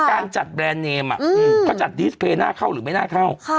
การจัดแบรนด์เนมเขาจัดดีสเพลย์หน้าเข้าหรือไม่น่าเข้า